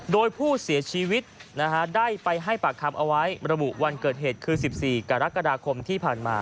โดยผู้เสียชีวิตได้ไปให้ปากคำเอาไว้ระบุวันเกิดเหตุคือ๑๔กรกฎาคมที่ผ่านมา